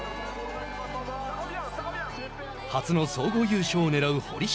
初の総合優勝をねらう堀島。